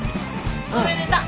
おめでとう。